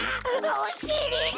おしりが！